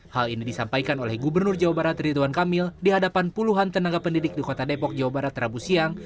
hal ini disampaikan oleh gubernur jawa barat ridwan kamil di hadapan puluhan tenaga pendidik di kota depok jawa barat rabu siang